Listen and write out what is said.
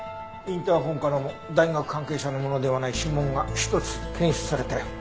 インターホンからも大学関係者のものではない指紋が１つ検出されたよ。